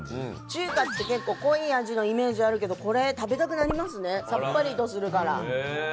中華って結構濃い味のイメージあるけどこれ食べたくなりますねさっぱりとするから。